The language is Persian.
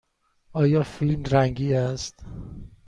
آیا فیلم رنگی است؟